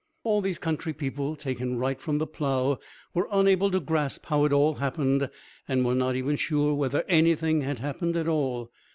All these country people taken right from the plough were unable to grasp how it all happened, and were not even sure whether anything had happened at all.